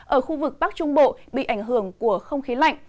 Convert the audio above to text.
ở khu vực bắc trung bộ bị ảnh hưởng của không khí lạnh